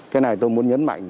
cái này tôi muốn nhấn mạnh